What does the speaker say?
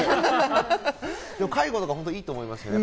介護とか本当にいいと思いますね。